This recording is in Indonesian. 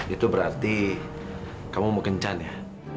itu berarti kamu mau kencan ya